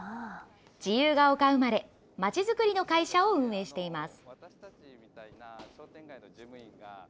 自由が丘生まれ、まちづくりの会社を運営しています。